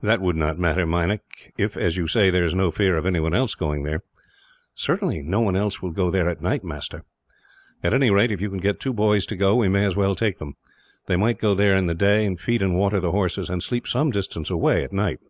"That would not matter, Meinik, if as you say, there is no fear of anyone else going there." "Certainly, no one else will go there at night, master." "At any rate, if you can get two boys to go, we may as well take them. They might go there in the day, and feed and water the horses; and sleep some distance away, at night."